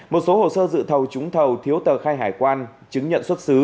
một số hồ sơ dự thầu trúng thầu thiếu tờ khai hải quan chứng nhận xuất xứ